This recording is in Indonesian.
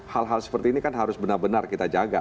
hal hal seperti ini kan harus benar benar kita jaga